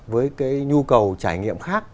với nhu cầu trải nghiệm khác